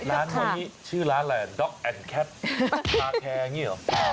ร้านนี้ชื่อร้านอะไรด็อกแอนดแคปคาแคร์อย่างนี้เหรอ